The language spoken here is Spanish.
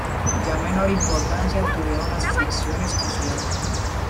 Ya menor importancia tuvieron las fricciones con su orden.